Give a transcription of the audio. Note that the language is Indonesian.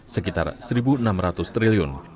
sekitar rp satu enam ratus triliun